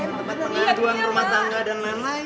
tempat pengaduan rumah tangga dan lain lain